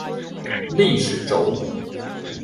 历史轴。